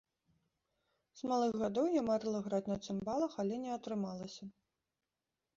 З малых гадоў я марыла граць на цымбалах, але не атрымалася.